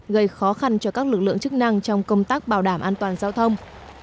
gây khó khăn cho các lực lượng chức năng trong công tác bảo đảm an toàn giao thông